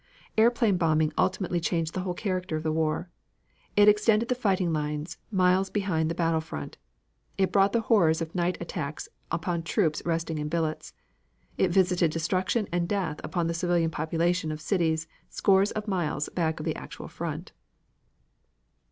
Airplane bombing ultimately changed the whole character of the war. It extended the fighting lines miles behind the battle front. It brought the horrors of night attacks upon troops resting in billets. It visited destruction and death upon the civilian population of cities scores of miles back of the actual front.